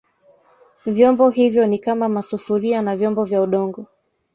Vyombo hivyo ni kama masufuria na vyombo vya Udongo